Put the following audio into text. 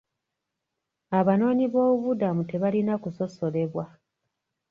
Abanoonyiboobubudamu tebalina kusosolebwa.